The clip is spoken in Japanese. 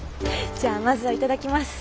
じゃあまずは頂きます！